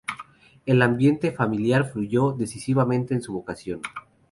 El ambiente familiar influyó decisivamente en su vocación.